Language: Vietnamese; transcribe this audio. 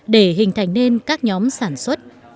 để hình thành nên các nhóm sản xuất